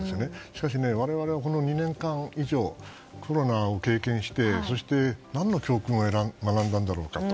しかしね、我々はこの２年間以上コロナを経験してそして何の教訓を学んだんだろうかと。